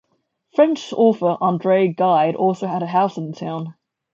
French author Andre Gide also had a house in the town.